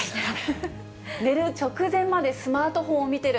寝る直前までスマートフォンを見てる。